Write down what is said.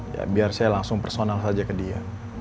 ya biar saya langsung personal saja ke dia